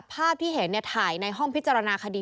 ภาพที่เห็นถ่ายในห้องพิจารณาคดี